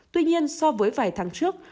tuy nhiên so với vài tháng trước